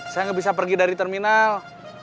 saya nggak bisa pergi dari terminal